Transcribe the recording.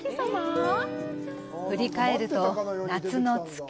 振り返ると夏の月。